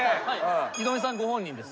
井上さんご本人です。